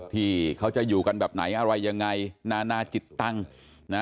ที่เขาจะอยู่กันแบบไหนอะไรยังไงนานาจิตตังค์นะ